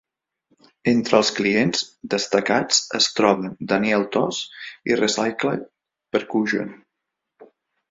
Entre els clients destacats es troben Daniel Tosh i Recycled Percussion.